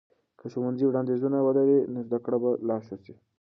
که ښوونځي وړاندیزونه ولري، نو زده کړه به لا ښه سي.